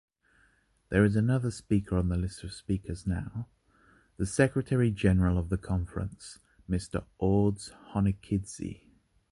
There is another speaker on the list of speakers now - the Secretary General of the Conference, Mr. Ordzhonikidze.